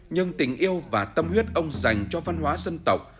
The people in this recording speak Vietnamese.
nhưng tình yêu và tâm huyết ông dành cho văn hóa dân tộc